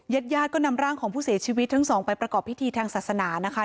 ญาติญาติก็นำร่างของผู้เสียชีวิตทั้งสองไปประกอบพิธีทางศาสนานะคะ